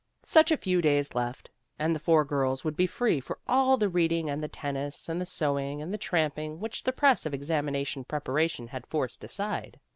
Such a few days left, and the four girls would be free for all the reading and the tennis and the sewing and the tramping which the press of examination preparation had forced aside.